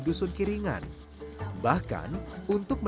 ini mungkin lima orang yang ma distinguish